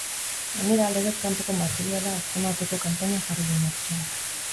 Gainera, legez kanpoko materiala atzemateko kanpaina jarri du martxan.